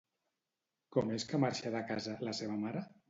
Com és que marxa de casa la seva mare?